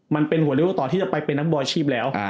มันเป็นหัวเลี้ยวหัวต่อที่จะไปเป็นนักวอลชีพแล้ว